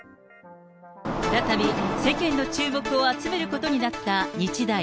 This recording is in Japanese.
再び世間の注目を集めることになった日大。